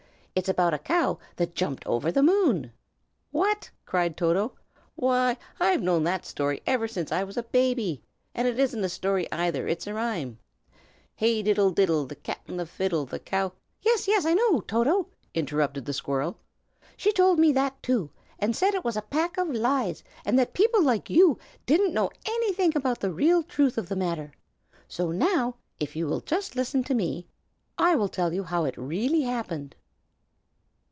It is about a cow that jumped over the moon." "What!" cried Toto. "Why, I've known that story ever since I was a baby! And it isn't a story, either, it's a rhyme, "Hey diddle diddle, The cat and the fiddle, The cow " "Yes, yes! I know, Toto," interrupted the squirrel. "She told me that, too, and said it was a pack of lies, and that people like you didn't know anything about the real truth of the matter. So now, if you will just listen to me, I will tell you how it really happened."